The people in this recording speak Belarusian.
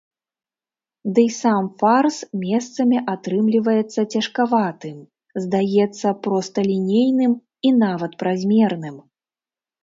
Дый сам фарс месцамі атрымліваецца цяжкаватым, здаецца просталінейным і нават празмерным.